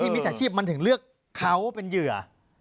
มันถึงเลือกเขาเป็นเหยื่อ